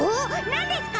なんですか？